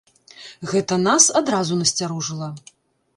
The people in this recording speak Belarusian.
Гэта нас адразу насцярожыла.